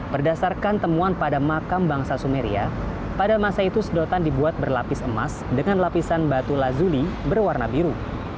berdasarkan temuan pada makam bangsa sumeria pada masa itu sedotan dibuat berlapis emas dengan lapisan batu lazuli berwarna biru